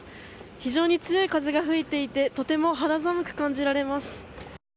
非常に強い風が吹いていてとても肌寒く感じられます。